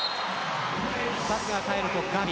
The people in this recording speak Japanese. パスが返るとガビ。